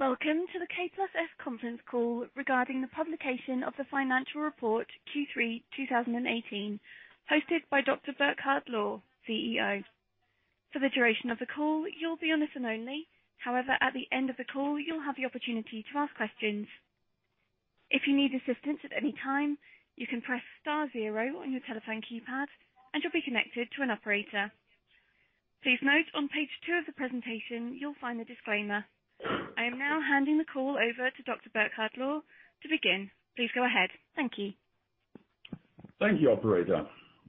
Welcome to the K+S conference call regarding the publication of the financial report Q3 2018, hosted by Dr. Burkhard Lohr, CEO. For the duration of the call, you'll be on listen only. However, at the end of the call, you'll have the opportunity to ask questions. If you need assistance at any time, you can press star zero on your telephone keypad and you'll be connected to an operator. Please note on page two of the presentation, you'll find the disclaimer. I am now handing the call over to Dr. Burkhard Lohr to begin. Please go ahead. Thank you. Thank you, operator.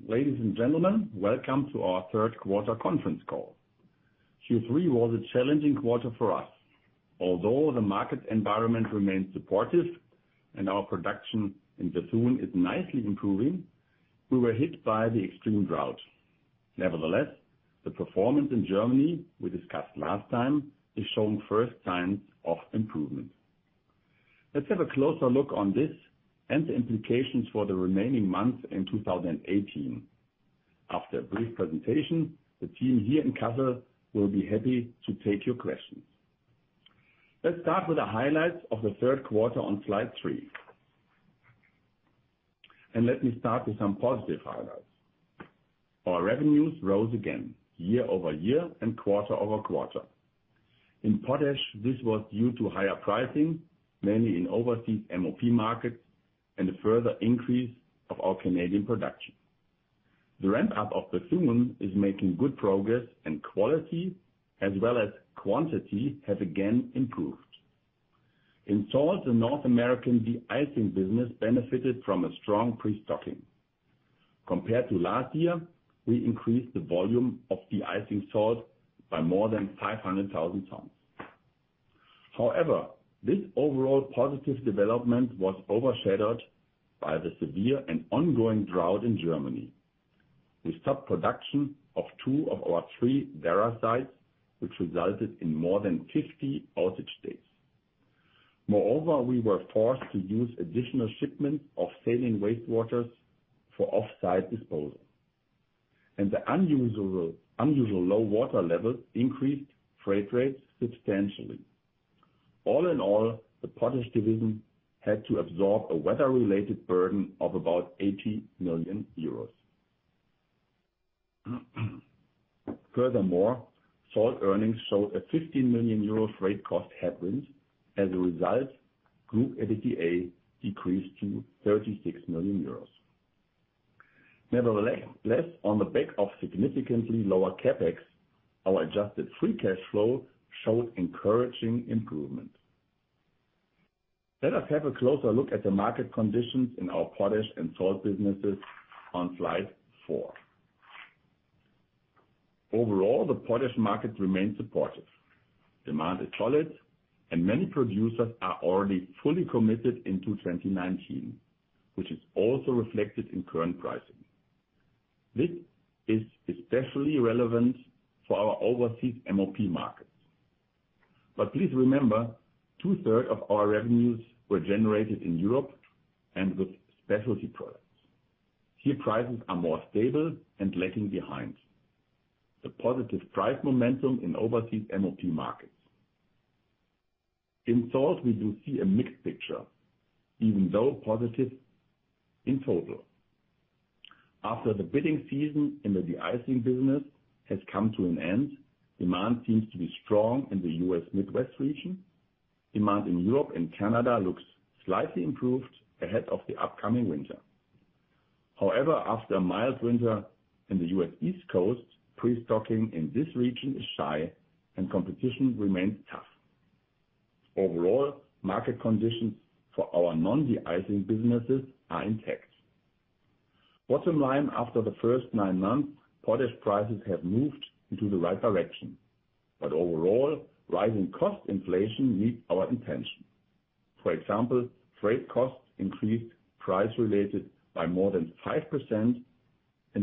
Ladies and gentlemen, welcome to our third quarter conference call. Q3 was a challenging quarter for us. Although the market environment remains supportive and our production in Bethune is nicely improving, we were hit by the extreme drought. Nevertheless, the performance in Germany we discussed last time is showing first signs of improvement. Let's have a closer look on this and the implications for the remaining months in 2018. After a brief presentation, the team here in Kassel will be happy to take your questions. Let's start with the highlights of the third quarter on slide three. Let me start with some positive highlights. Our revenues rose again year-over-year and quarter-over-quarter. In potash, this was due to higher pricing, mainly in overseas MOP markets and a further increase of our Canadian production. The ramp-up of Bethune is making good progress, and quality as well as quantity have again improved. In salt, the North American de-icing business benefited from a strong pre-stocking. Compared to last year, we increased the volume of de-icing salt by more than 500,000 tons. However, this overall positive development was overshadowed by the severe and ongoing drought in Germany. We stopped production of two of our three Werra sites, which resulted in more than 50 outage days. Moreover, we were forced to use additional shipments of saline wastewaters for off-site disposal, and the unusual low water levels increased freight rates substantially. All in all, the potash division had to absorb a weather-related burden of about 80 million euros. Furthermore, salt earnings show a 15 million euros freight cost headwind. As a result, group EBITDA decreased to 36 million euros. Nevertheless, on the back of significantly lower CapEx, our adjusted free cash flow showed encouraging improvement. Let us have a closer look at the market conditions in our potash and salt businesses on slide four. Overall, the potash market remains supportive. Demand is solid and many producers are already fully committed into 2019, which is also reflected in current pricing. This is especially relevant for our overseas MOP markets. Please remember, two-thirds of our revenues were generated in Europe and with specialty products. Here, prices are more stable and lagging behind the positive price momentum in overseas MOP markets. In salt, we do see a mixed picture, even though positive in total. After the bidding season in the de-icing business has come to an end, demand seems to be strong in the U.S. Midwest region. Demand in Europe and Canada looks slightly improved ahead of the upcoming winter. However, after a mild winter in the U.S. East Coast, pre-stocking in this region is shy and competition remains tough. Overall, market conditions for our non-de-icing businesses are intact. Bottom line, after the first nine months, potash prices have moved into the right direction, but overall, rising cost inflation needs our attention. For example, freight costs increased price related by more than 5% in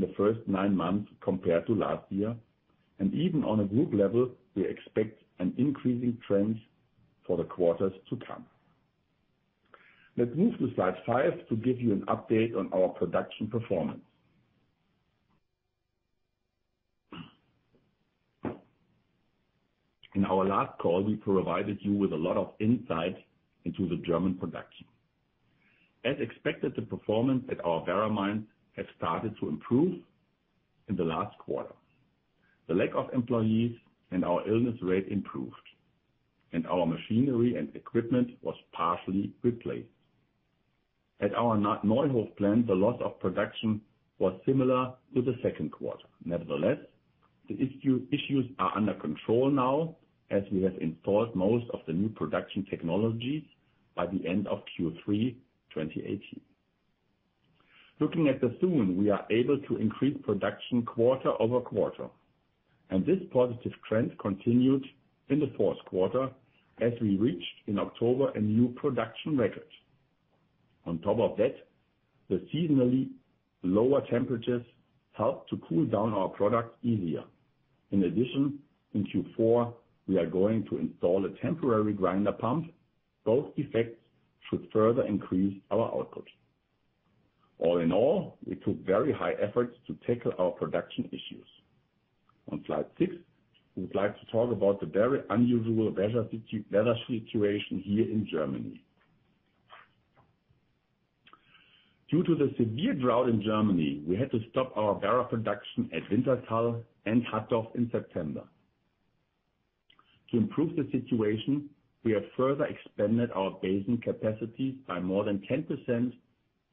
the first nine months compared to last year. Even on a group level, we expect an increasing trend for the quarters to come. Let's move to slide five to give you an update on our production performance. In our last call, we provided you with a lot of insight into the German production. As expected, the performance at our Werra mine has started to improve in the last quarter. The lack of employees and our illness rate improved, and our machinery and equipment was partially replaced. At our Neuendorf plant, the loss of production was similar to the second quarter. Nevertheless, the issues are under control now as we have installed most of the new production technologies by the end of Q3 2018. Looking at Bethune, we are able to increase production quarter-over-quarter, and this positive trend continued in the fourth quarter as we reached in October a new production record. On top of that, the seasonally lower temperatures helped to cool down our product easier. In addition, in Q4, we are going to install a temporary grinder pump. Both effects should further increase our output. All in all, we took very high efforts to tackle our production issues. On slide six, we would like to talk about the very unusual weather situation here in Germany. Due to the severe drought in Germany, we had to stop our Werra production at Wintershall and Hattorf in September. To improve the situation, we have further expanded our basin capacity by more than 10%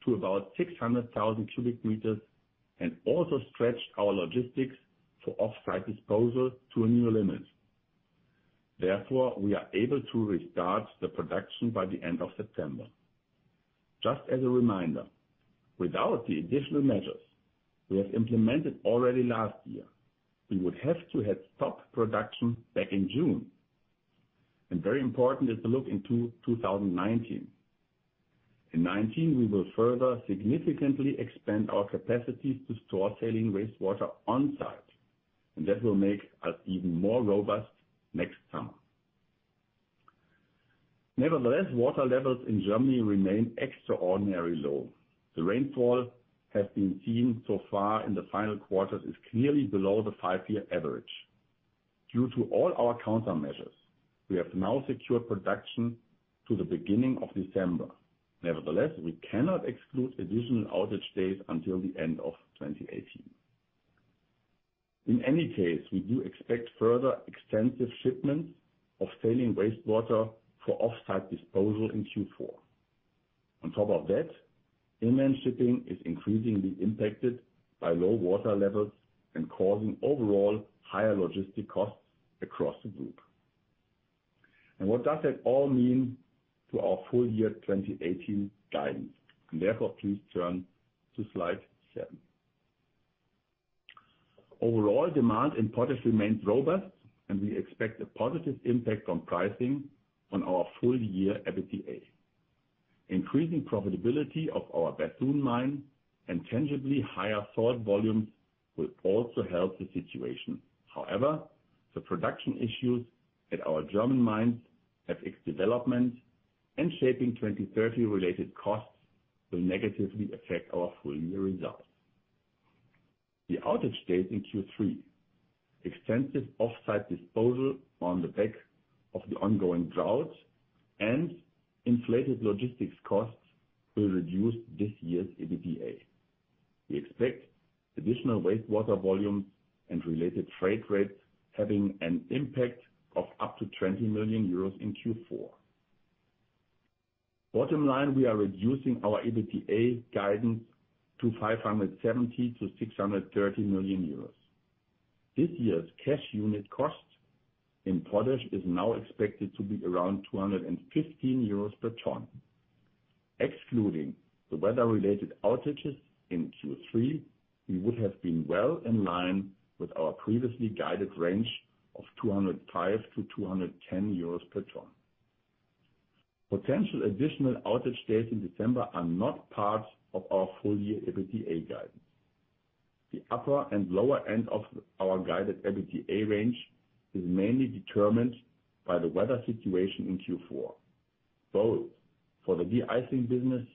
to about 600,000 m³, and also stretched our logistics for off-site disposal to a new limit. Therefore, we are able to restart the production by the end of September. Just as a reminder, without the additional measures we have implemented already last year, we would have to have stopped production back in June. Very important is to look into 2019. In 2019, we will further significantly expand our capacity to store tailing wastewater on-site, and that will make us even more robust next summer. Nevertheless, water levels in Germany remain extraordinarily low. The rainfall has been seen so far in the final quarters is clearly below the five-year average. Due to all our countermeasures, we have now secured production to the beginning of December. Nevertheless, we cannot exclude additional outage days until the end of 2018. In any case, we do expect further extensive shipments of tailing wastewater for off-site disposal in Q4. On top of that, inland shipping is increasingly impacted by low water levels and causing overall higher logistic costs across the group. What does that all mean to our full year 2018 guidance? Therefore, please turn to slide seven. Overall demand in potash remains robust, and we expect a positive impact on pricing on our full-year EBITDA. Increasing profitability of our Bethune mine and tangibly higher salt volumes will also help the situation. However, the production issues at our German mines, FX development, and Shaping 2030 related costs will negatively affect our full-year results. The outage days in Q3, extensive off-site disposal on the back of the ongoing drought, and inflated logistics costs will reduce this year's EBITDA. We expect additional wastewater volumes and related freight rates having an impact of up to 20 million euros in Q4. Bottom line, we are reducing our EBITDA guidance to 570 million-630 million euros. This year's cash unit cost in potash is now expected to be around 215 euros per ton. Excluding the weather-related outages in Q3, we would have been well in line with our previously guided range of 205-210 euros per ton. Potential additional outage days in December are not part of our full-year EBITDA guidance. The upper and lower end of our guided EBITDA range is mainly determined by the weather situation in Q4, both for the de-icing business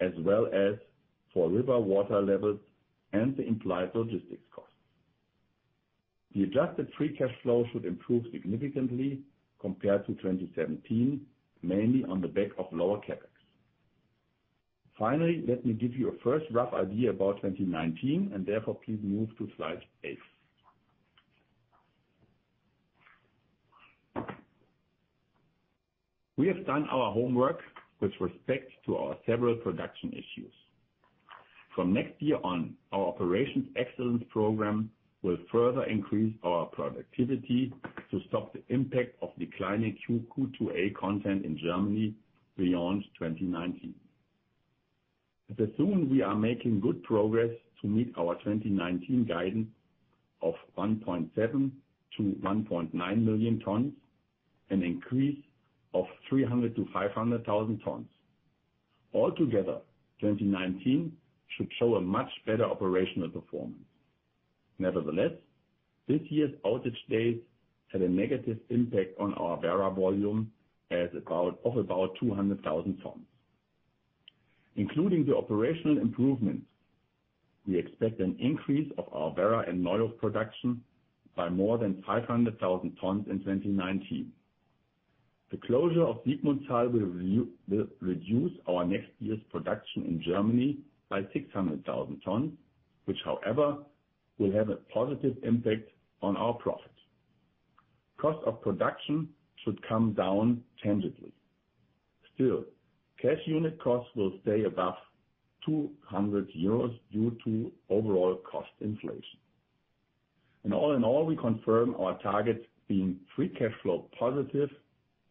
as well as for river water levels and the implied logistics costs. The adjusted free cash flow should improve significantly compared to 2017, mainly on the back of lower CapEx. Finally, let me give you a first rough idea about 2019. Please move to slide eight. We have done our homework with respect to our several production issues. From next year on, our Operations Excellence Program will further increase our productivity to stop the impact of declining K2O content in Germany beyond 2019. At Bethune, we are making good progress to meet our 2019 guidance of 1.7 million-1.9 million tons, an increase of 300,000-500,000 tons. Altogether, 2019 should show a much better operational performance. Nevertheless, this year's outage days had a negative impact on our Werra volume of about 200,000 tons. Including the operational improvements, we expect an increase of our Werra and magnesium production by more than 500,000 tons in 2019. The closure of Siegmundshall will reduce our next year's production in Germany by 600,000 tons, which however, will have a positive impact on our profit. Cost of production should come down tangibly. Still, cash unit costs will stay above 200 euros due to overall cost inflation. All in all, we confirm our targets being free cash flow positive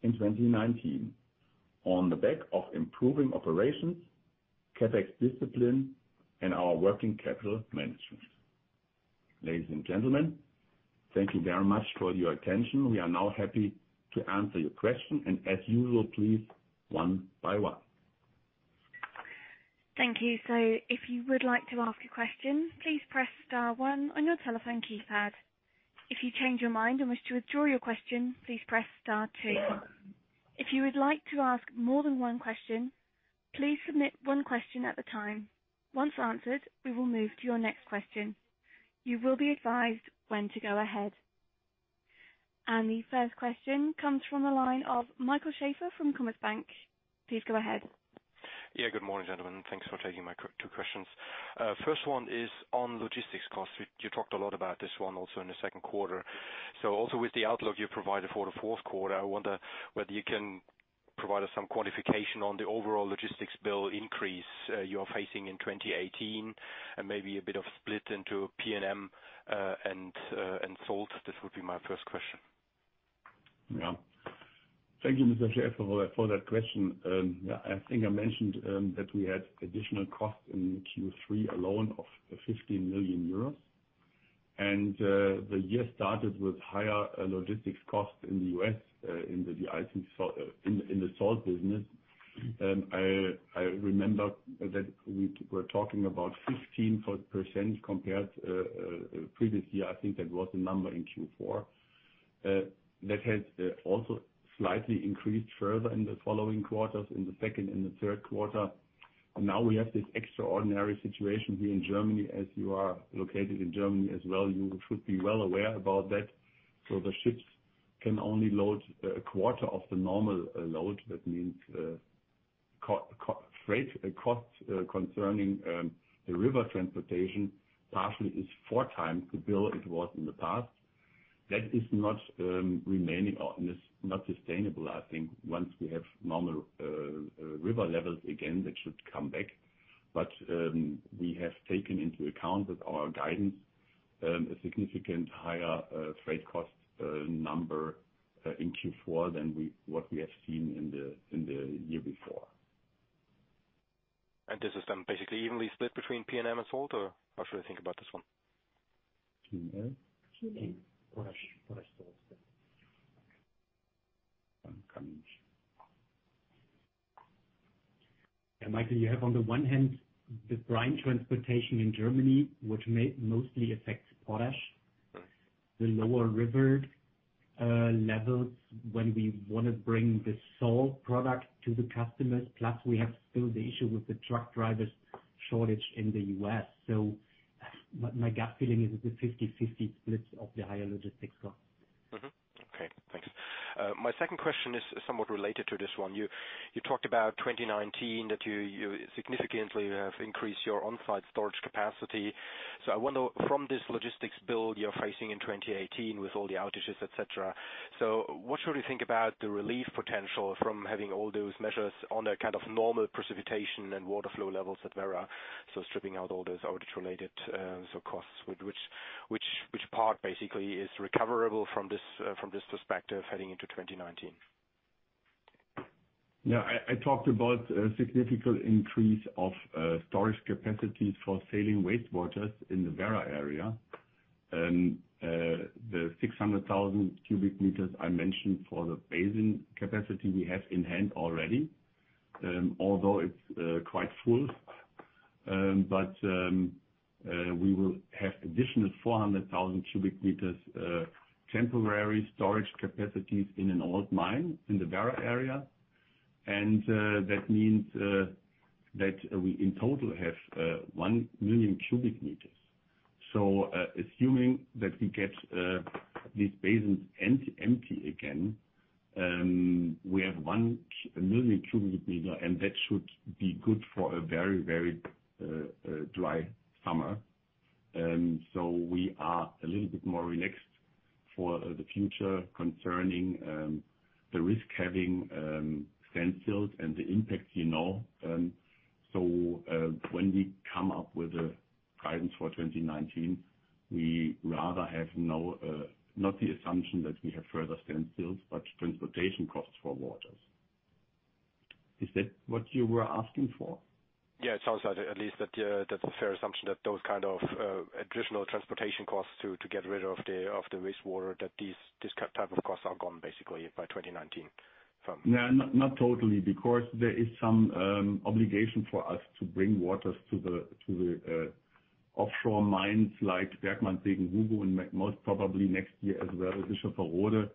in 2019 on the back of improving operations, CapEx discipline, and our working capital management. Ladies and gentlemen, thank you very much for your attention. We are now happy to answer your question, and as usual, please one by one. Thank you. If you would like to ask a question, please press star one on your telephone keypad. If you change your mind and wish to withdraw your question, please press star two. If you would like to ask more than one question, please submit one question at a time. Once answered, we will move to your next question. You will be advised when to go ahead. The first question comes from the line of Michael Schaefer from Commerzbank. Please go ahead. Yeah. Good morning, gentlemen. Thanks for taking my two questions. First one is on logistics costs. You talked a lot about this one also in the second quarter. Also with the outlook you provided for the fourth quarter, I wonder whether you can provide us some quantification on the overall logistics bill increase you are facing in 2018 and maybe a bit of split into P&M and salt. This would be my first question. Yeah. Thank you, Mr. Schaefer, for that question. I think I mentioned that we had additional costs in Q3 alone of 15 million euros. The year started with higher logistics costs in the U.S. in the salt business. I remember that we were talking about 15% compared previous year. I think that was the number in Q4. That has also slightly increased further in the following quarters, in the second and the third quarter. Now we have this extraordinary situation here in Germany, as you are located in Germany as well, you should be well aware about that. The ships can only load a quarter of the normal load. That means freight costs concerning the river transportation partially is four times the bill it was in the past. That is not sustainable, I think. Once we have normal river levels again, that should come back. We have taken into account with our guidance, a significantly higher freight cost number in Q4 than what we have seen in the year before. This is done basically evenly split between P&M and salt, or how should I think about this one? P&M? Potash. I'm coming. Michael, you have on the one hand, the brine transportation in Germany, which mostly affects Potash. Right. The lower river levels when we want to bring the salt product to the customers, plus we have still the issue with the truck drivers shortage in the U.S. My gut feeling is it's a 50/50 split of the higher logistics cost. Okay, thanks. My second question is somewhat related to this one. You talked about 2019, that you significantly have increased your on-site storage capacity. I wonder from this logistics bill you're facing in 2018 with all the outages, et cetera, what should we think about the relief potential from having all those measures on a kind of normal precipitation and water flow levels at Werra? Stripping out all those outage-related costs. Which part basically is recoverable from this perspective heading into 2019? I talked about a significant increase of storage capacities for saline wastewaters in the Werra area. The 600,000 m³ I mentioned for the basin capacity we have in hand already, although it's quite full. We will have additional 400,000 m³ temporary storage capacities in an old mine in the Werra area, and that means that we in total have 1 million m³. Assuming that we get these basins empty again, we have 1 million m³, and that should be good for a very dry summer. We are a little bit more relaxed for the future concerning the risk having standstills and the impacts. When we come up with a guidance for 2019, we rather have not the assumption that we have further standstills, but transportation costs for waters. Is that what you were asking for? It sounds like at least that's a fair assumption, that those kind of additional transportation costs to get rid of the wastewater, that this type of costs are gone basically by 2019 from- No, not totally because there is some obligation for us to bring waters to the offshore mines like Bergmannssegen-Hugo and Hugo and most probably next year as well as the Herfa-Neurode,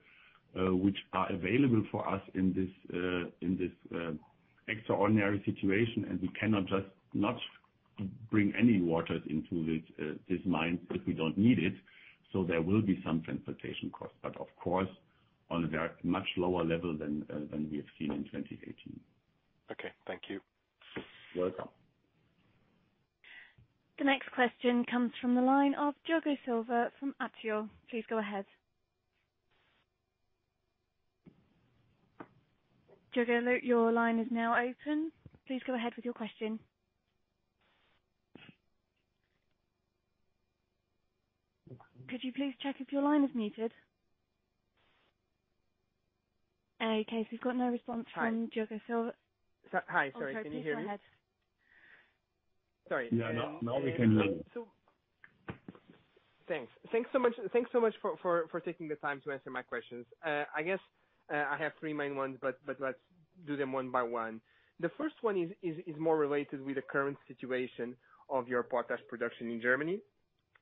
which are available for us in this extraordinary situation, and we cannot just not bring any waters into these mines if we don't need it. There will be some transportation costs, but of course, on a very much lower level than we have seen in 2018. Okay. Thank you. You're welcome. The next question comes from the line of Diogo Silva from ATEO. Please go ahead. Diogo, your line is now open. Please go ahead with your question. Could you please check if your line is muted? We've got no response from Diogo Silva. Hi. Sorry. Can you hear me? Go ahead. Sorry. No. Now we can hear you. Thanks. Thanks so much for taking the time to answer my questions. I guess I have three main ones, but let's do them one by one. The first one is more related with the current situation of your potash production in Germany.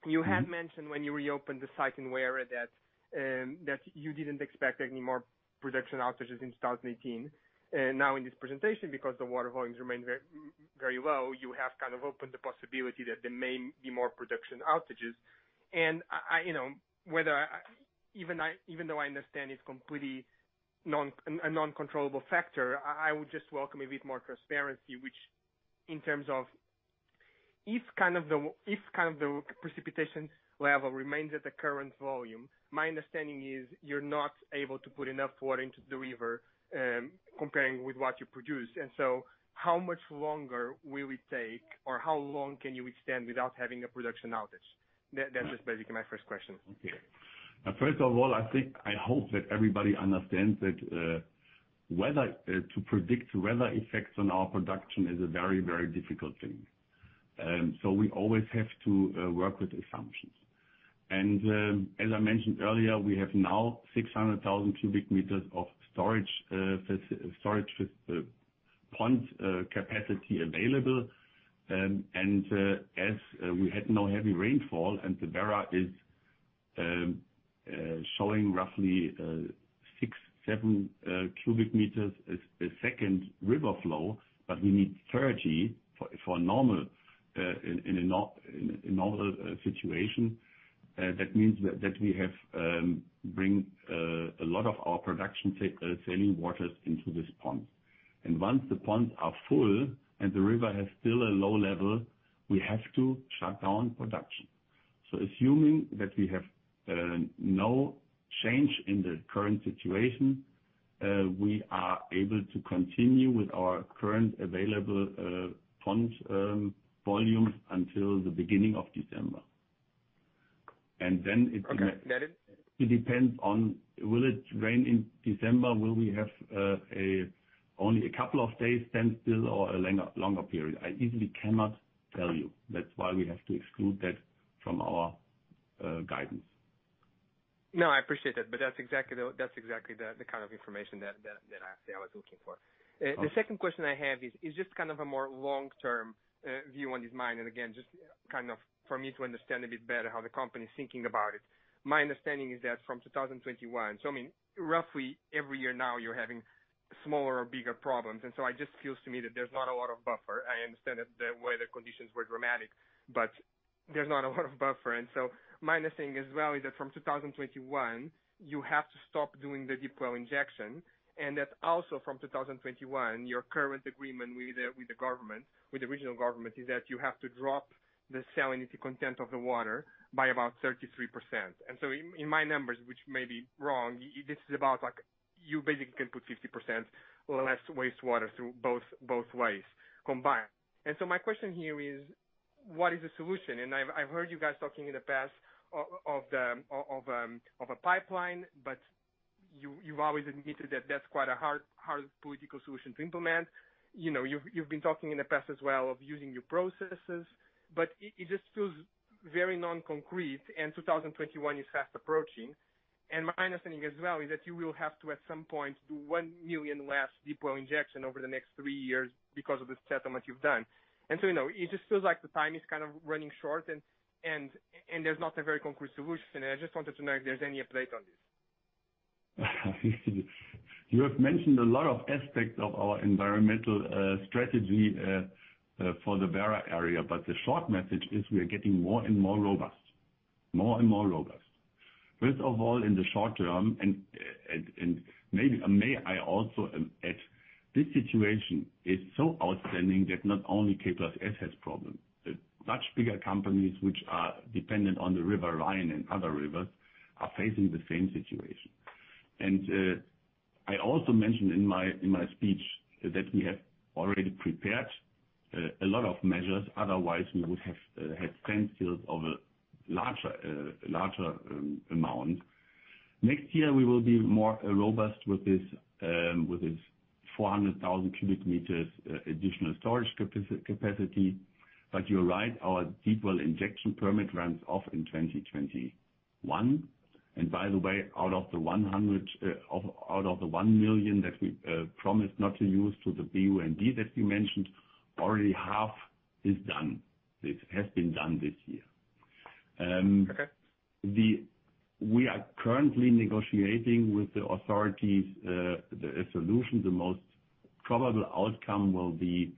You had mentioned when you reopened the site in Werra that you didn't expect any more production outages in 2018. Now in this presentation, because the water volumes remain very low, you have kind of opened the possibility that there may be more production outages. Even though I understand it's completely a non-controllable factor, I would just welcome a bit more transparency, which in terms of if the precipitation level remains at the current volume, my understanding is you're not able to put enough water into the river, comparing with what you produce. How much longer will it take, or how long can you extend without having a production outage? That's just basically my first question. Okay. First of all, I think, I hope that everybody understands that to predict weather effects on our production is a very difficult thing. We always have to work with assumptions. As I mentioned earlier, we have now 600,000 m³ of storage pond capacity available. As we had no heavy rainfall, and the Werra is showing roughly six, 7 m³ a second river flow, but we need 30 in a normal situation. That means that we have to bring a lot of our production saline waters into this pond. Once the ponds are full and the river has still a low level, we have to shut down production. Assuming that we have no change in the current situation, we are able to continue with our current available pond volumes until the beginning of December. Then it. Okay, that is. It depends on, will it rain in December? Will we have only a couple of days standstill or a longer period? I easily cannot tell you. That's why we have to exclude that from our guidance. No, I appreciate that, but that's exactly the kind of information that I say I was looking for. Okay. The second question I have is just a more long-term view on this mine. Again, just for me to understand a bit better how the company is thinking about it. My understanding is that from 2021, roughly every year now you are having smaller or bigger problems, so it just feels to me that there is not a lot of buffer. I understand that the weather conditions were dramatic, there is not a lot of buffer. My understanding as well is that from 2021, you have to stop doing the deep well injection, and that also from 2021, your current agreement with the Regierungspräsidium, is that you have to drop the salinity content of the water by about 33%. In my numbers, which may be wrong, this is about you basically can put 50% less wastewater through both ways combined. My question here is, what is the solution? I have heard you guys talking in the past of a pipeline, you have always admitted that that is quite a hard political solution to implement. You have been talking in the past as well of using new processes. It just feels very non-concrete, 2021 is fast approaching. My understanding as well is that you will have to, at some point, do one million less deep well injection over the next three years because of the settlement you have done. It just feels like the time is running short, there is not a very concrete solution. I just wanted to know if there is any update on this. You have mentioned a lot of aspects of our environmental strategy for the Werra area, the short message is we are getting more and more robust. First of all, in the short term, may I also add, this situation is so outstanding that not only K+S has problems. Such bigger companies which are dependent on the river Rhine and other rivers are facing the same situation. I also mentioned in my speech that we have already prepared a lot of measures, otherwise we would have had standstills of a larger amount. Next year, we will be more robust with this 400,000 m³ additional storage capacity. You are right, our deep well injection permit runs off in 2021. By the way, out of the one million that we promised not to use to the BUND that you mentioned, already half is done. It has been done this year. Okay. We are currently negotiating with the authorities, the solution, the most probable outcome will be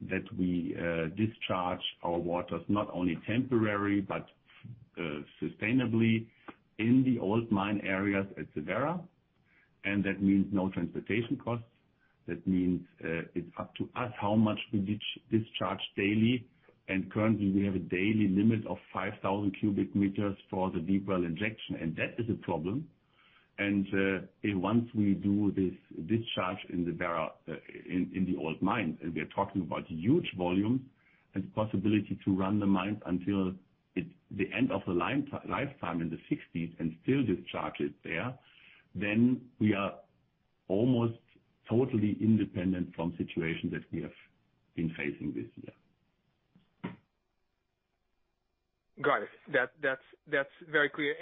that we discharge our waters, not only temporarily, but sustainably in the old mine areas at Werra. That means no transportation costs. That means it's up to us how much we discharge daily. Currently, we have a daily limit of 5,000 m³ for the deep well injection, and that is a problem. Once we do this discharge in the Werra, in the old mine, and we are talking about huge volumes and the possibility to run the mines until the end of the lifetime in the 60s and still discharge it there, then we are almost totally independent from situations that we have been facing this year. Got it. That's very clear.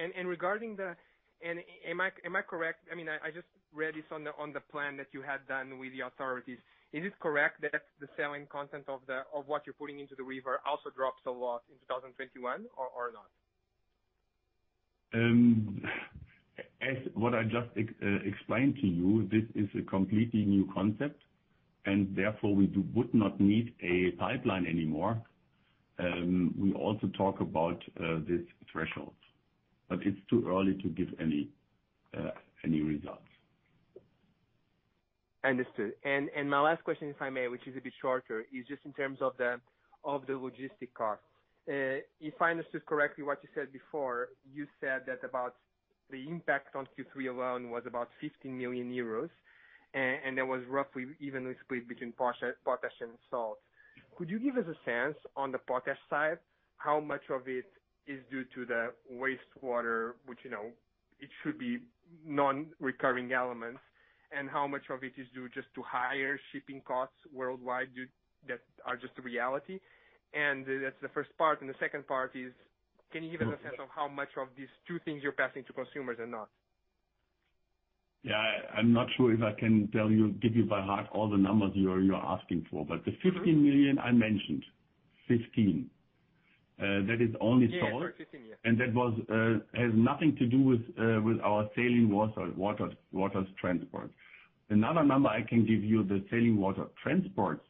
I just read this on the plan that you had done with the authorities. Is it correct that the saline content of what you're putting into the river also drops a lot in 2021 or not? As what I just explained to you, this is a completely new concept. Therefore, we would not need a pipeline anymore. We also talk about these thresholds, but it's too early to give any results. Understood. My last question, if I may, which is a bit shorter, is just in terms of the logistics cost. If I understood correctly what you said before, you said that about the impact on Q3 alone was about 50 million euros, and that was roughly evenly split between potash and salt. Could you give us a sense on the potash side, how much of it is due to the wastewater, which it should be non-recurring elements, and how much of it is due just to higher shipping costs worldwide that are just a reality? That's the first part. The second part is, can you give us a sense of how much of these two things you're passing to consumers or not? Yeah. I'm not sure if I can give you by heart all the numbers you're asking for. The 15 million I mentioned. 15. That is only salt. Yeah. 15, yeah. That has nothing to do with our saline waters transport. Another number I can give you, the saline water transports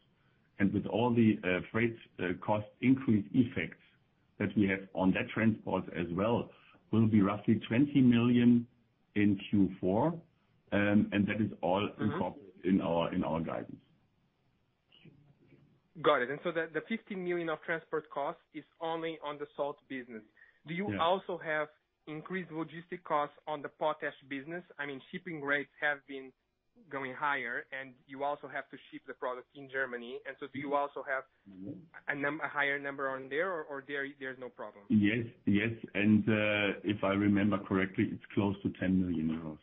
and with all the freight cost increase effects that we have on that transport as well, will be roughly 20 million in Q4, and that is all incorporated in our guidance. Got it. The 15 million of transport cost is only on the salt business. Yeah. Do you also have increased logistic costs on the potash business? Shipping rates have been going higher, you also have to ship the product in Germany. Do you also have a higher number on there, or there's no problem? Yes. If I remember correctly, it's close to 10 million euros.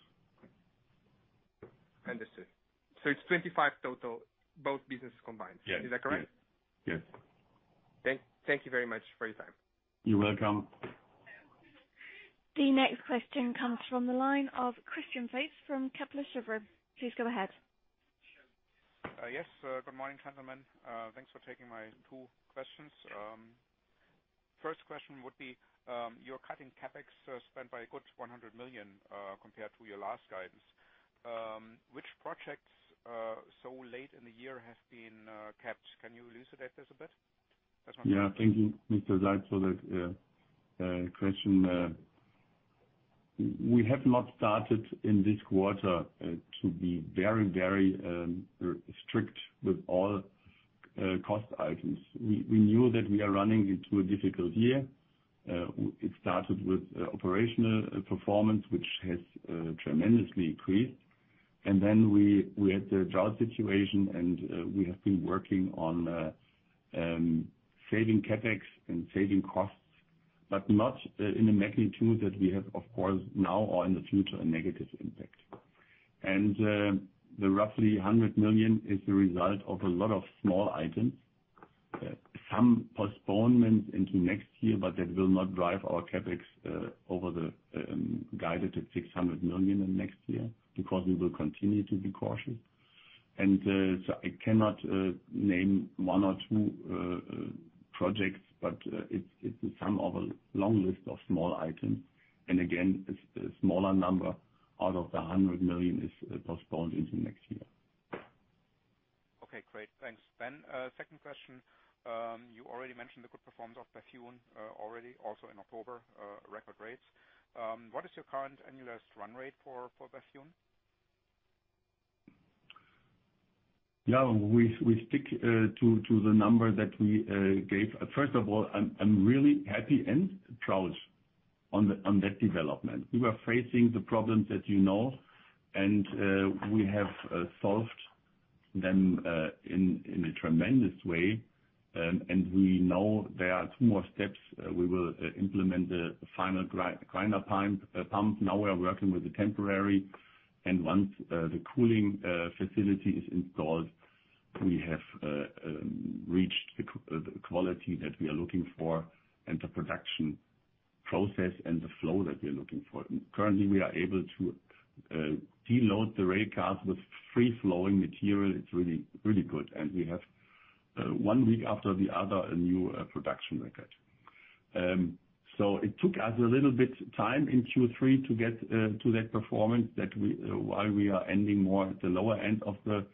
Understood. It's 25 total, both businesses combined. Yes. Is that correct? Yes. Thank you very much for your time. You're welcome. The next question comes from the line of Christian Faitz from Kepler Cheuvreux. Please go ahead. Yes. Good morning, gentlemen. Thanks for taking my two questions. First question would be, you're cutting CapEx spent by a good 100 million compared to your last guidance. Which projects so late in the year have been kept? Can you elucidate this a bit? That's one. Thank you, Mr. Faitz, for that question. We have not started in this quarter to be very strict with all cost items. We knew that we are running into a difficult year. Then we had the drought situation, and we have been working on saving CapEx and saving costs, but not in a magnitude that we have, of course, now or in the future, a negative impact. The roughly 100 million is the result of a lot of small items. Some postponements into next year, but that will not drive our CapEx over the guided at 600 million in next year, because we will continue to be cautious. I cannot name one or two projects, but it's a sum of a long list of small items. Again, a smaller number out of the 100 million is postponed into next year. Okay, great. Thanks. Second question. You already mentioned the good performance of Bethune already, also in October, record rates. What is your current annualized run rate for Bethune? We stick to the number that we gave. First of all, I'm really happy and proud on that development. We were facing the problems that you know, we have solved them in a tremendous way. We know there are two more steps. We will implement the final grinder pump. Now we are working with the temporary, once the cooling facility is installed, we have reached the quality that we are looking for and the production process and the flow that we are looking for. Currently, we are able to deload the rail cars with free-flowing material. It's really good. We have, one week after the other, a new production record. It took us a little bit time in Q3 to get to that performance that while we are ending more at the lower end of the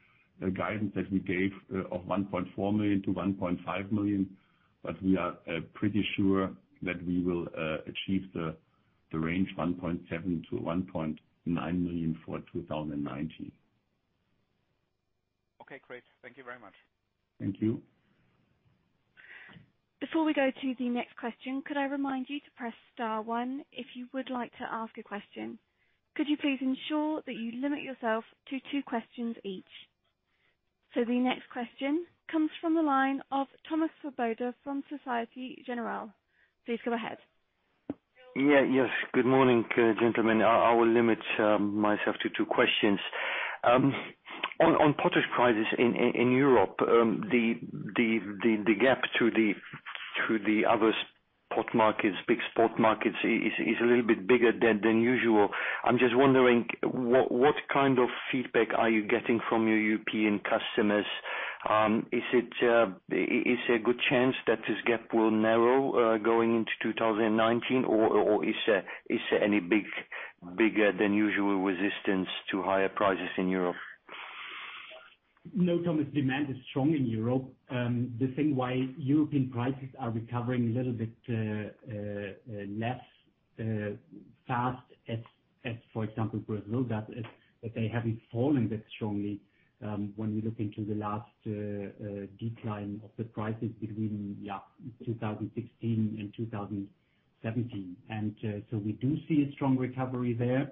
guidance that we gave of 1.4 million-1.5 million, but we are pretty sure that we will achieve the range 1.7 million-1.9 million for 2019. Okay, great. Thank you very much. Thank you. Before we go to the next question, could I remind you to press star one if you would like to ask a question? Could you please ensure that you limit yourself to two questions each? The next question comes from the line of Thomas Swoboda from Société Générale. Please go ahead. Yes. Good morning, gentlemen. I will limit myself to two questions. On potash prices in Europe, the gap to the other potash markets, big spot markets, is a little bit bigger than usual. I'm just wondering, what kind of feedback are you getting from your European customers? Is it a good chance that this gap will narrow going into 2019, or is there any bigger than usual resistance to higher prices in Europe? No, Thomas, demand is strong in Europe. The thing why European prices are recovering a little bit less fast as, for example, Brazil, is that they haven't fallen that strongly when we look into the last decline of the prices between 2016 and 2017. We do see a strong recovery there.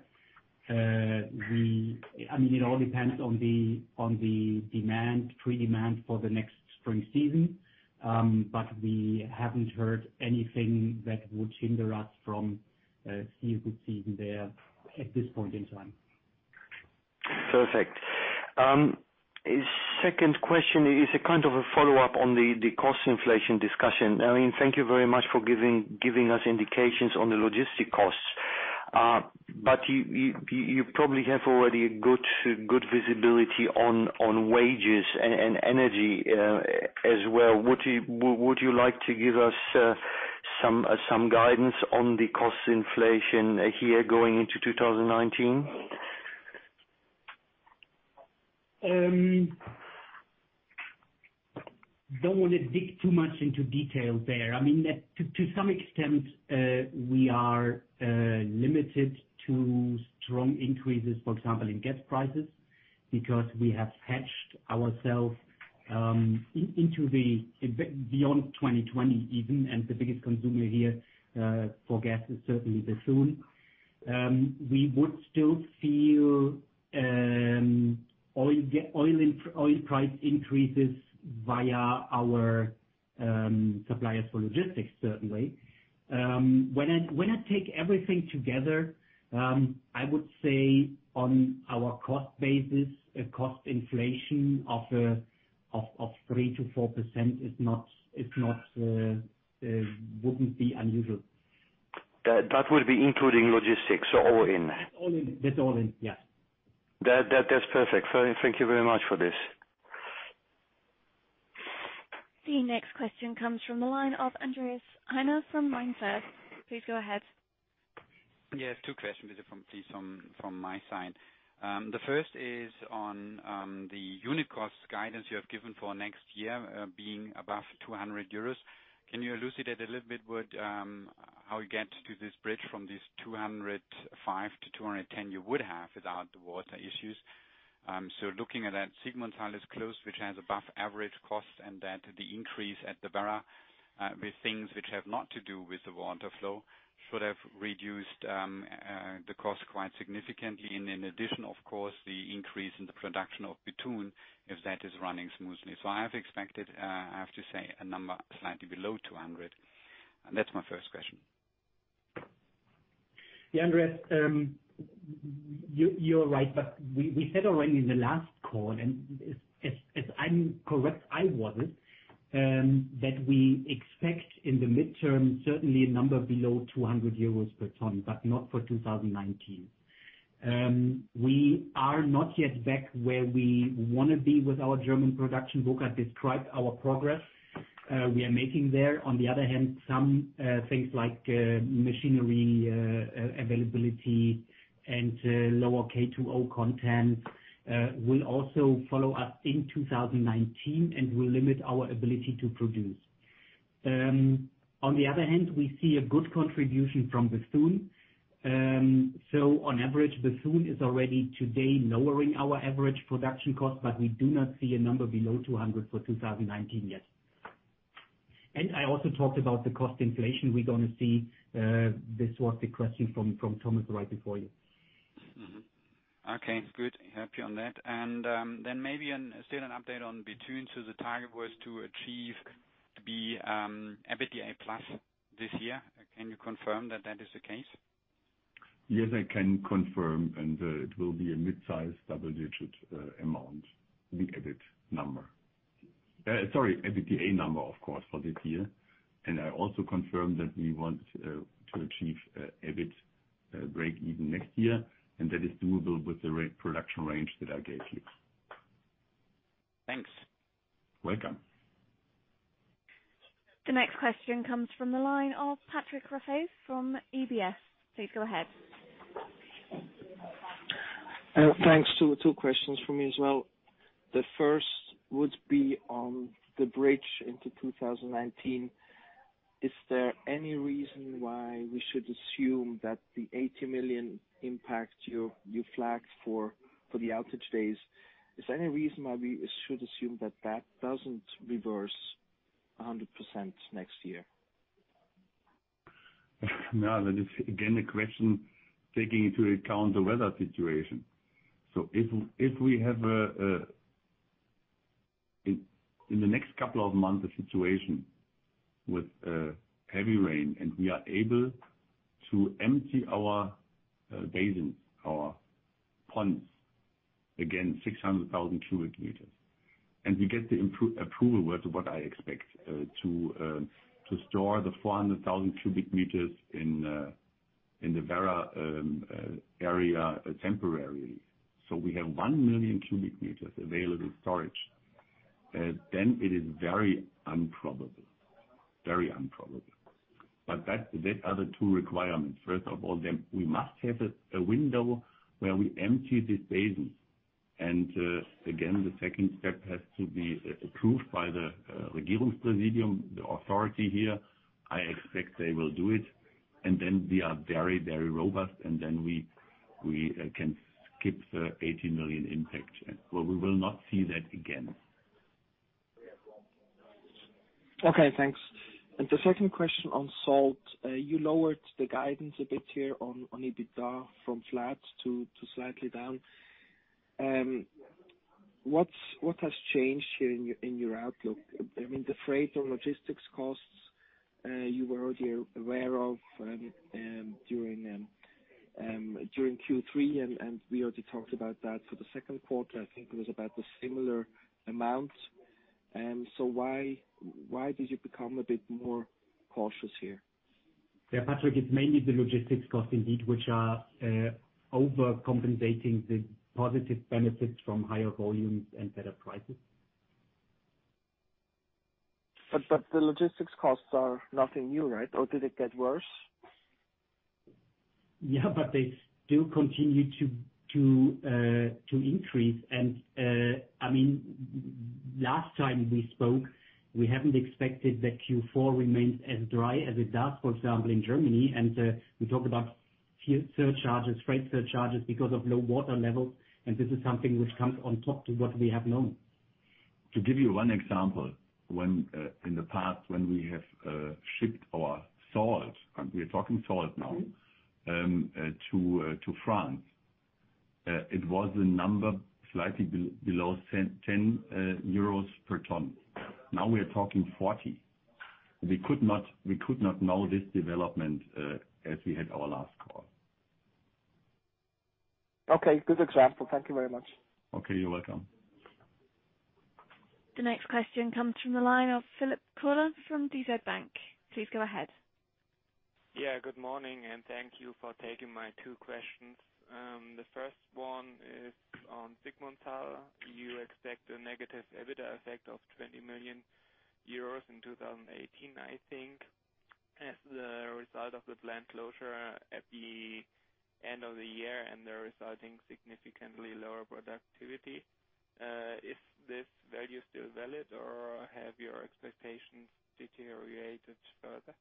It all depends on the pre-demand for the next spring season, but we haven't heard anything that would hinder us from seeing a good season there at this point in time. Perfect. Second question is a kind of a follow-up on the cost inflation discussion. Thank you very much for giving us indications on the logistic costs. You probably have already a good visibility on wages and energy as well. Would you like to give us some guidance on the cost inflation here going into 2019? Don't want to dig too much into detail there. To some extent, we are limited to strong increases, for example, in gas prices because we have hedged ourselves beyond 2020 even, and the biggest consumer here for gas is certainly Bethune. We would still feel oil price increases via our suppliers for logistics, certainly. When I take everything together, I would say on our cost basis, a cost inflation of 3%-4% wouldn't be unusual. That would be including logistics, so all in. All in. That's all in, yeah. That's perfect. Thank you very much for this. The next question comes from the line of Andreas Heine from MainFirst. Please go ahead. Yes, two questions please, from my side. The first is on the unit cost guidance you have given for next year, being above 200 euros. Can you elucidate a little bit how you get to this bridge from this 205-210 you would have without the water issues? Looking at that, Sigmundshall is close, which has above average cost, and that the increase at Werra with things which have not to do with the water flow should have reduced the cost quite significantly. In addition, of course, the increase in the production of Bethune, if that is running smoothly. I have expected, I have to say, a number slightly below 200. That's my first question. Yeah, Andreas, you're right. We said already in the last call, and if I'm correct, I was, that we expect in the midterm, certainly a number below 200 euros per ton, but not for 2019. We are not yet back where we want to be with our German production. Volker described our progress we are making there. On the other hand, some things like machinery availability and lower K2O content will also follow us in 2019 and will limit our ability to produce. On the other hand, we see a good contribution from Bethune. On average, Bethune is already today lowering our average production cost, but we do not see a number below 200 for 2019 yet. I also talked about the cost inflation we're going to see. This was the question from Thomas right before you. Mm-hmm. Okay, good. Happy on that. Then maybe still an update on Bethune. The target was to achieve to be EBITDA plus this year. Can you confirm that that is the case? Yes, I can confirm, it will be a mid-size double-digit amount, the EBIT number. Sorry, EBITDA number, of course, for this year. I also confirm that we want to achieve EBIT break even next year, that is doable with the production range that I gave you. Thanks. Welcome. The next question comes from the line of Patrick Rafaisz from UBS. Please go ahead. Thanks. Two questions from me as well. The first would be on the bridge into 2019. Is there any reason why we should assume that the 80 million impact you flagged for the outage days, is there any reason why we should assume that that doesn't reverse 100% next year? No, that is again, the question taking into account the weather situation. If we have, in the next couple of months, a situation with heavy rain and we are able to empty our basins, our ponds, again, 600,000 m³, and we get the approval, what I expect, to store the 400,000 m³ in the Werra area temporarily. We have 1 million m³ available storage. It is very improbable. That other two requirements, first of all, we must have a window where we empty this basin. Again, the second step has to be approved by the Regierungspräsidium, the authority here. I expect they will do it, and then we are very robust and then we can skip the 18 million impact. Well, we will not see that again. Okay, thanks. The second question on salt. You lowered the guidance a bit here on EBITDA from flat to slightly down. What has changed here in your outlook? I mean, the freight or logistics costs, you were already aware of during Q3, and we already talked about that for the second quarter. I think it was about the similar amounts. Why did you become a bit more cautious here? Yeah, Patrick, it's mainly the logistics costs indeed, which are overcompensating the positive benefits from higher volumes and better prices. The logistics costs are nothing new, right? Did it get worse? Yeah, they do continue to increase. Last time we spoke, we haven't expected that Q4 remains as dry as it does, for example, in Germany. We talked about freight surcharges because of low water levels, and this is something which comes on top to what we have known. To give you one example. In the past, when we have shipped our salt, and we are talking salt now, to France. It was a number slightly below 10 euros per ton. Now we are talking 40. We could not know this development as we had our last call. Okay, good example. Thank you very much. Okay, you're welcome. The next question comes from the line of Philipp Currle from DZ Bank. Please go ahead. Yeah, good morning, thank you for taking my two questions. The first one is on Sigmundshall. You expect a negative EBITDA effect of 20 million euros in 2018, I think, as the result of the plant closure at the end of the year, and the resulting significantly lower productivity. Is this value still valid, or have your expectations deteriorated further?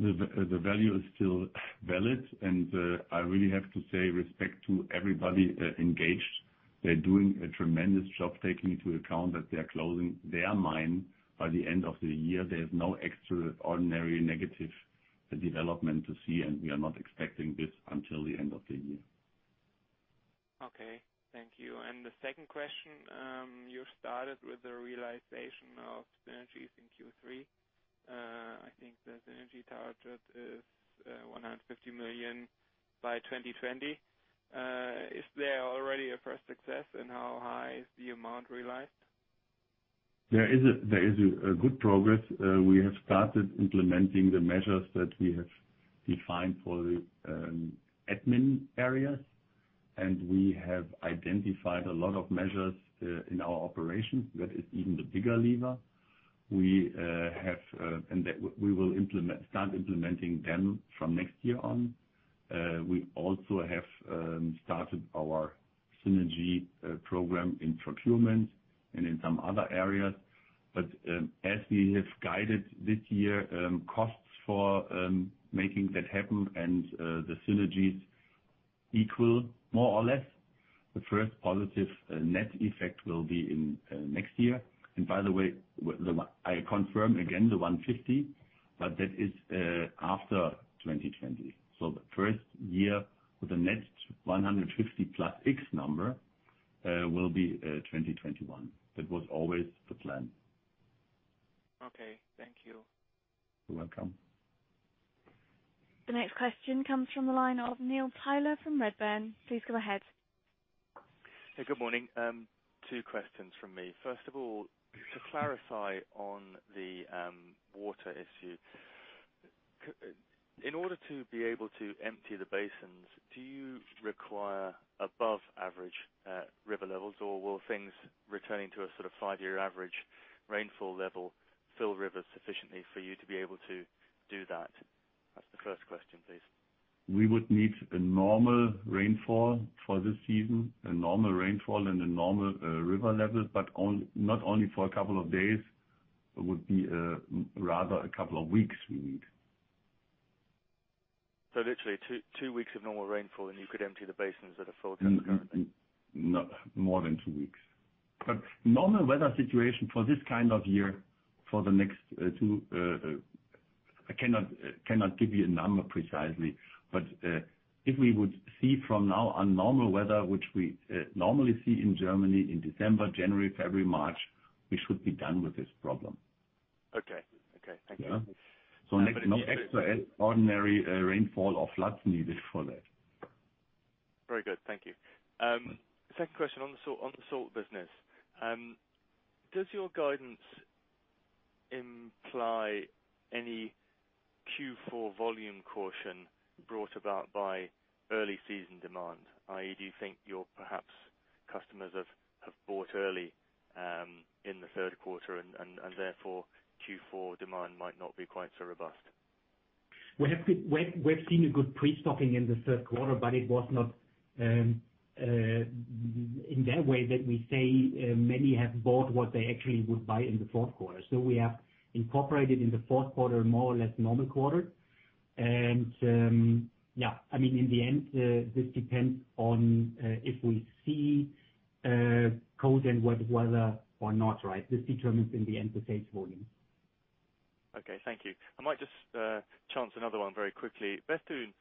The value is still valid. I really have to say respect to everybody engaged. They are doing a tremendous job taking into account that they are closing their mine by the end of the year. There is no extraordinary negative development to see. We are not expecting this until the end of the year. Okay. Thank you. The second question, you started with the realization of synergies in Q3. I think the synergy target is 150 million by 2020. Is there already a first success? How high is the amount realized? There is a good progress. We have started implementing the measures that we have defined for the admin areas, and we have identified a lot of measures in our operations. That is even the bigger lever. We will start implementing them from next year on. We also have started our synergy program in procurement and in some other areas. As we have guided this year, costs for making that happen and the synergies equal more or less. The first positive net effect will be in next year. By the way, I confirm again the 150, but that is after 2020. The first year with the net 150 plus X number will be 2021. That was always the plan. Okay. Thank you. You're welcome. The next question comes from the line of Neil Tyler from Redburn. Please go ahead. Hey, good morning. Two questions from me. First of all, to clarify on the water issue. In order to be able to empty the basins, do you require above average river levels, or will things returning to a five-year average rainfall level fill rivers sufficiently for you to be able to do that? That's the first question, please. We would need a normal rainfall for this season, a normal rainfall, and a normal river level, but not only for a couple of days. It would be rather a couple of weeks we need. Literally two weeks of normal rainfall, and you could empty the basins that are full currently. More than two weeks. Normal weather situation for this kind of year for the next two I cannot give you a number precisely. If we would see from now a normal weather which we normally see in Germany in December, January, February, March, we should be done with this problem. Okay, thank you. No extraordinary rainfall or floods needed for that. Very good. Thank you. Second question on the salt business. Does your guidance imply any Q4 volume caution brought about by early season demand? I.e., do you think your customers have bought early in the third quarter and therefore Q4 demand might not be quite so robust? We've seen a good pre-stocking in the third quarter, it was not in that way that we say many have bought what they actually would buy in the fourth quarter. We have incorporated in the fourth quarter, more or less normal quarter. And, yeah, in the end, this depends on if we see cold and wet weather or not, right? This determines in the end the sales volume. Okay, thank you. I might just chance another one very quickly. Bethune,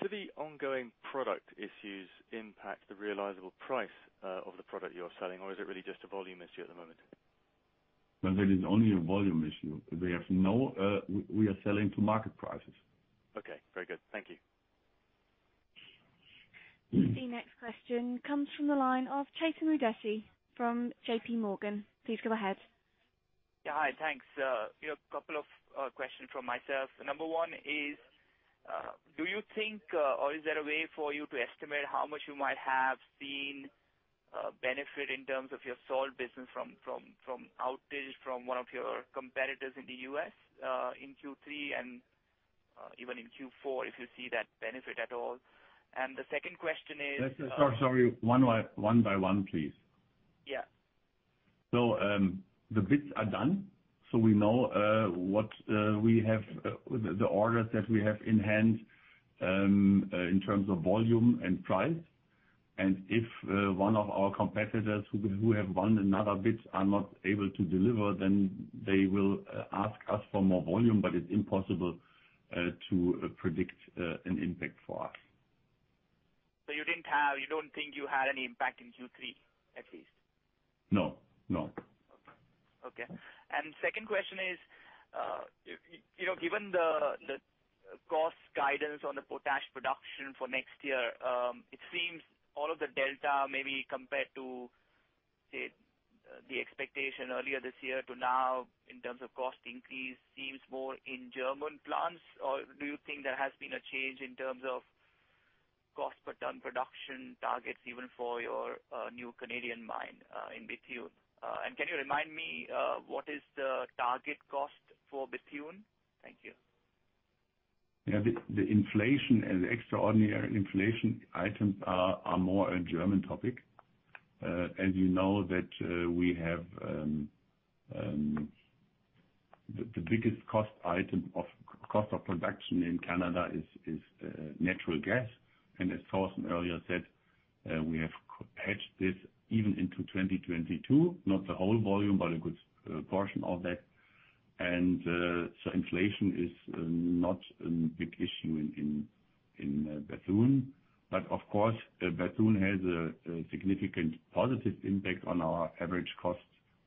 do the ongoing product issues impact the realizable price of the product you're selling, or is it really just a volume issue at the moment? No, that is only a volume issue. We are selling to market prices. Okay, very good. Thank you. The next question comes from the line of Chetan Udeshi from JPMorgan. Please go ahead. Yeah. Hi, thanks. A couple of questions from myself. Number one is, do you think, or is there a way for you to estimate how much you might have seen a benefit in terms of your salt business from outage from one of your competitors in the U.S., in Q3 and even in Q4, if you see that benefit at all? Sorry, one by one, please. Yeah. The bids are done. We know the orders that we have in hand in terms of volume and price. If one of our competitors who have won another bid are not able to deliver, they will ask us for more volume, but it's impossible to predict an impact for us. You don't think you had any impact in Q3, at least? No. Second question is, given the cost guidance on the potash production for next year, it seems all of the delta may be compared to, say, the expectation earlier this year to now in terms of cost increase seems more in German plants. Do you think there has been a change in terms of cost per ton production targets even for your new Canadian mine in Bethune? Can you remind me what is the target cost for Bethune? Thank you. The inflation and extraordinary inflation items are more a German topic. You know, the biggest cost of production in Canada is natural gas. As Thorsten earlier said, we have hedged this even into 2022, not the whole volume, but a good portion of that. Inflation is not a big issue in Bethune. Of course, Bethune has a significant positive impact on our average cost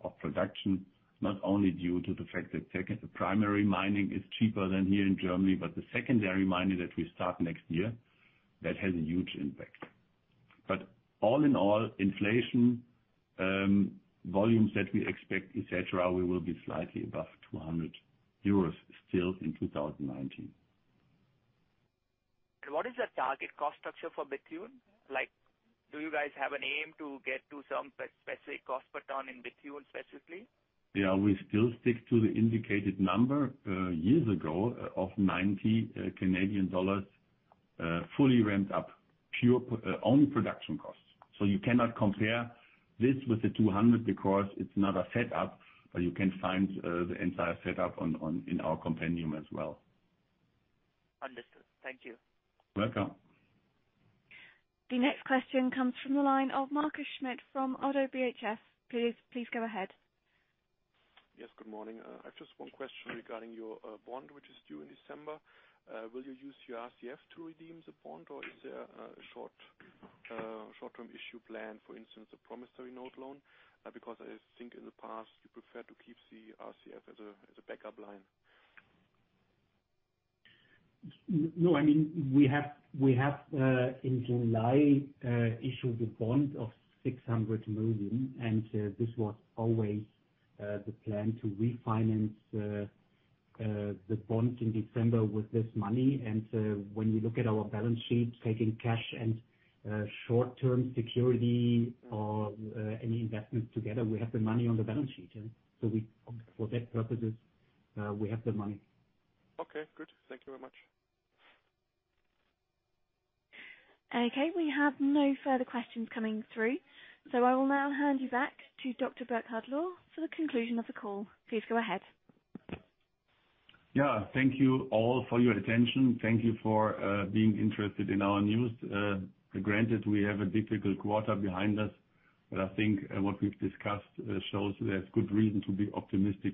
of production, not only due to the fact that primary mining is cheaper than here in Germany, but the secondary mining that we start next year, that has a huge impact. All in all, inflation, volumes that we expect, et cetera, we will be slightly above 200 euros still in 2019. What is the target cost structure for Bethune? Do you guys have an aim to get to some specific cost per ton in Bethune specifically? Yeah, we still stick to the indicated number, years ago, of 90 Canadian dollars, fully ramped up, own production costs. You cannot compare this with the 200 because it's not a setup, you can find the entire setup in our compendium as well. Understood. Thank you. Welcome. The next question comes from the line of Markus Schmitt from Oddo BHF. Please go ahead. Yes, good morning. I have just one question regarding your bond, which is due in December. Will you use your RCF to redeem the bond, or is there a short-term issue plan, for instance, a promissory note loan? I think in the past, you preferred to keep the RCF as a backup line. We have, in July, issued a bond of 600 million, and this was always the plan, to refinance the bond in December with this money. When you look at our balance sheet, taking cash and short-term security or any investment together, we have the money on the balance sheet. For that purposes, we have the money. Good. Thank you very much. We have no further questions coming through. I will now hand you back to Dr. Burkhard Lohr for the conclusion of the call. Please go ahead. Yeah. Thank you all for your attention. Thank you for being interested in our news. Granted, we have a difficult quarter behind us, but I think what we've discussed shows there's good reason to be optimistic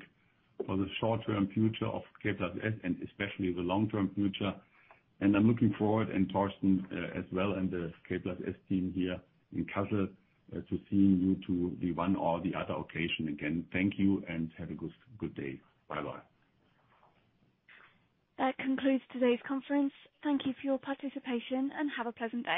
for the short-term future of K+S, and especially the long-term future. I'm looking forward, and Thorsten as well, and the K+S team here in Kassel, to seeing you two the one or the other occasion again. Thank you, and have a good day. Bye-bye. That concludes today's conference. Thank you for your participation, and have a pleasant day.